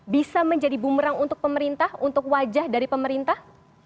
bisa menjadi bumerang untuk pemerintah untuk wajah dari pemerintah